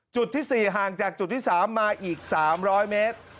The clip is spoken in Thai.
จุดที่๔ห่างจากจุดที่๓มาอีก๓๐๐เมตร